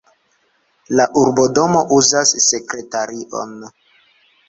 La urbodomo uzas sekretarion.